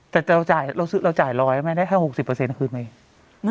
แต่เราจ่ายร้อยไม่ได้แค่๖๐เปอร์เซ็นต์ขึ้นไหม